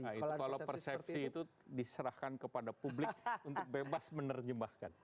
nah itu kalau persepsi itu diserahkan kepada publik untuk bebas menerjemahkan